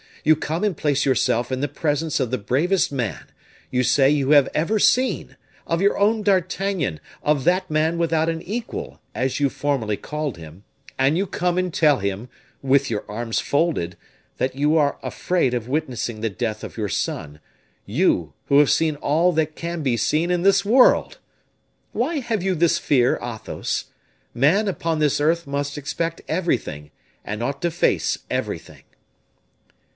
you come and place yourself in the presence of the bravest man, you say you have ever seen, of your own D'Artagnan, of that man without an equal, as you formerly called him, and you come and tell him, with your arms folded, that you are afraid of witnessing the death of your son, you who have seen all that can be seen in this world! Why have you this fear, Athos? Man upon this earth must expect everything, and ought to face everything."